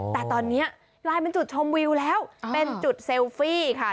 แต่ตอนนี้กลายเป็นจุดชมวิวแล้วเป็นจุดเซลฟี่ค่ะ